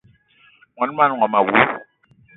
Mon manga womo awou!